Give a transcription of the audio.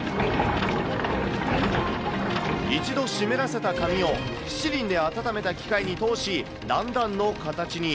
一度湿らせた紙を七輪で温めた機械に通し、段々の形に。